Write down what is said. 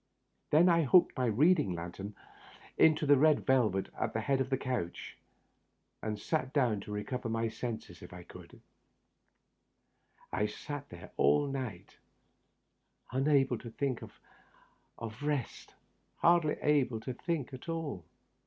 Then I hooked my reading lantern into the red velvet at the head of the couch, and sat down to recover my senses Digitized by VjOOQIC THE UPPER BERTH. 89 if I could. I Bat there all night, unable to think of rest — ^hardly able to think at all.